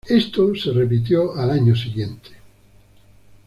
Esto se repitió al año siguiente.